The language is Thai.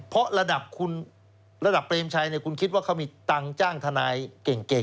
เพราะระดับคุณระดับเปรมชัยคุณคิดว่าเขามีตังค์จ้างทนายเก่ง